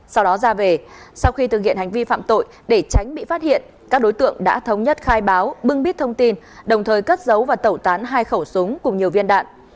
sau đó ra về sau khi thực hiện hành vi phạm tội để tránh bị phát hiện các đối tượng đã thống nhất khai báo bưng bít thông tin đồng thời cất giấu và tẩu tán hai khẩu súng cùng nhiều viên đạn